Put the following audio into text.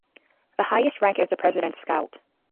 The highest rank is the President's Scout.